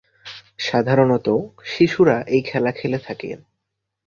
সাধারনত শিশুরা এই খেলা খেলে থাকে।